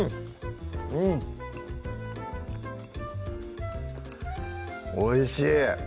うんおいしい！